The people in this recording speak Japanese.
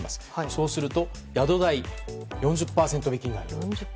そうすると宿代４０％引きになる。